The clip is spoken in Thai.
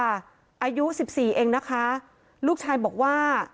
อายุ๑๔เองนะคะลูกชายบอกว่า